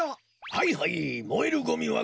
はいはいもえるゴミはここ。